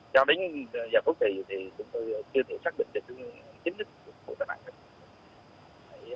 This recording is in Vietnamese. cho đến giờ phút thì chúng tôi chưa thể xác định được chứng tích của vụ tai nạn